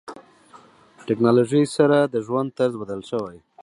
ټکنالوژي سره د ژوند طرز بدل شوی.